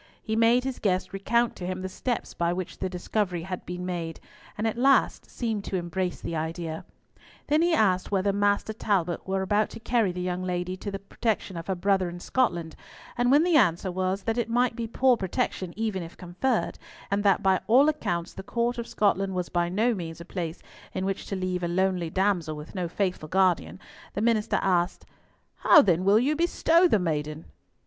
He made his guest recount to him the steps by which the discovery had been made, and at last seemed to embrace the idea. Then he asked whether Master Talbot were about to carry the young lady to the protection of her brother in Scotland; and when the answer was that it might be poor protection even if conferred, and that by all accounts the Court of Scotland was by no means a place in which to leave a lonely damsel with no faithful guardian, the minister asked— "How then will you bestow the maiden?"